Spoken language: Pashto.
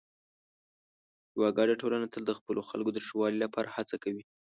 یوه ګډه ټولنه تل د خپلو خلکو د ښه والي لپاره هڅه کوي.